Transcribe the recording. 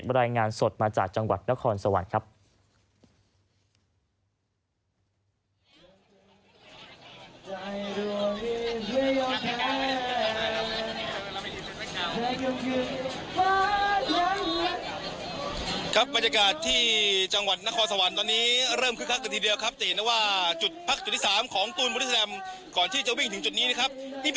รายงานสดมาจากจังหวัดนครสวรรค์ครับ